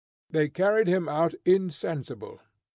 They carried him out insensible.